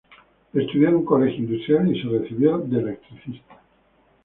Estudió en un colegio industrial y se recibió de electricista.